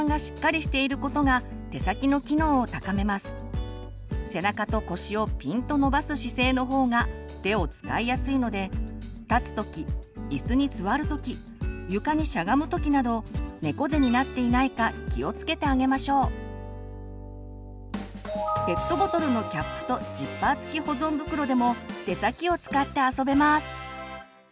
実は背中と腰をピンと伸ばす姿勢の方が手を使いやすいので立つ時椅子に座る時床にしゃがむ時などペットボトルのキャップとジッパー付き保存袋でも手先を使って遊べます。